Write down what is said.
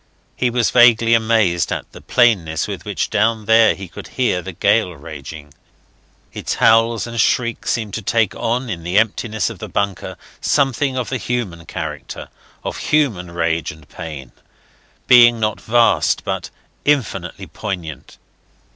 He was vaguely amazed at the plainness with which down there he could hear the gale raging. Its howls and shrieks seemed to take on, in the emptiness of the bunker, something of the human character, of human rage and pain being not vast but infinitely poignant.